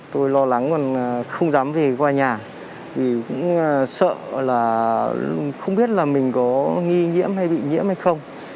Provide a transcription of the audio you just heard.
tôi lo lắng còn không dám về qua nhà vì cũng sợ là không biết là mình có nghi nhiễm hay bị nhiễm hay không